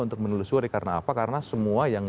untuk menelusuri karena apa karena semua yang